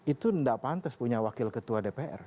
itu tidak pantas punya wakil ketua dpr